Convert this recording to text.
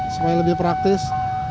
supaya lebih praktis